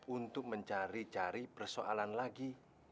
untuk mencari cari persoalan lagi